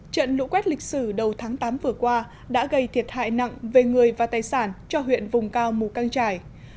trận lũ quét lịch sử đầu tháng tám vừa qua đã gây thiệt hại nặng về người và tài sản cho huyện vùng cao mù căng trải